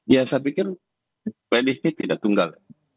ya saya pikir pdip tidak tunggal